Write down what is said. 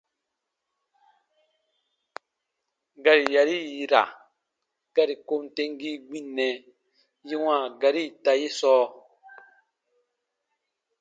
Gari yari yì yi ra gari kom temgii gbinnɛ yi wãa gari ita ye sɔɔ?